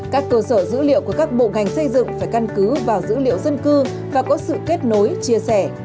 các cơ sở dữ liệu của các bộ ngành xây dựng phải căn cứ vào dữ liệu dân cư và có sự kết nối chia sẻ